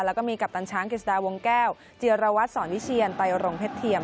แล้วก็มีกัปตันช้างกิจดาวงแก้วจิรวัตรสอนวิเชียนไตรรงเพชรเทียม